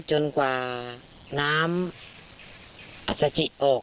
จนกว่าน้ำอัศจิออก